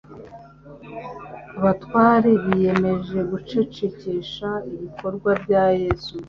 abatware biyemeje gucecekesha ibikorwa bya Yesu.